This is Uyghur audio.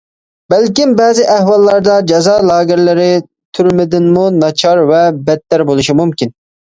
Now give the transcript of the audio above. بەلكىم، بەزى ئەھۋاللاردا جازا لاگېرلىرى تۈرمىدىنمۇ ناچار ۋە بەتتەر بولۇشى مۇمكىن.